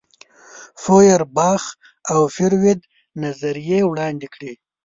فوئرباخ او فروید نظریې وړاندې کړې.